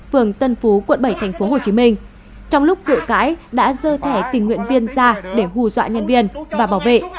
phường tân phú quận bảy tp hcm trong lúc cự cãi đã dơ thẻ tình nguyện viên ra để hù dọa nhân viên và bảo vệ